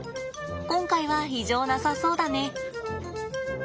今回は異常なさそうだね。